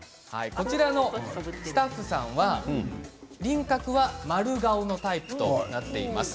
こちらのスタッフさん、輪郭は丸顔のタイプとなっています。